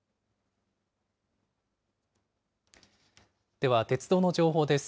では、鉄道の情報です。